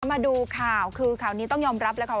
มาดูข่าวคือข่าวนี้ต้องยอมรับเลยค่ะ